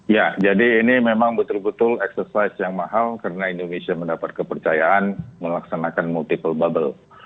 ya jadi ini memang betul betul exercise yang mahal karena indonesia mendapat kepercayaan melaksanakan multiple bubble